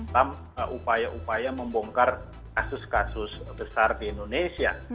dalam upaya upaya membongkar kasus kasus besar di indonesia